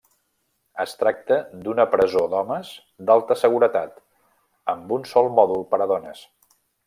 Es tracta d'una presó d'homes d'alta seguretat, amb un sol mòdul per a dones.